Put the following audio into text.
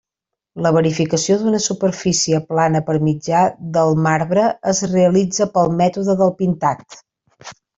La verificació d'una superfície plana per mitjà del marbre es realitza pel mètode del pintat.